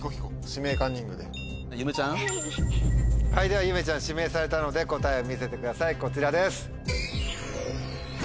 ではゆめちゃん指名されたので答えを見せてくださいこちらです。